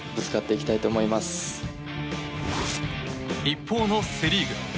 一方のセ・リーグ。